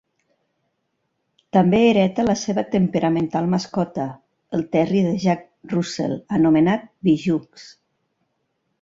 També hereta la seva temperamental mascota, el terrier de Jack Russell anomenat Bijoux.